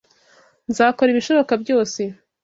Nzakora ibishoboka byose.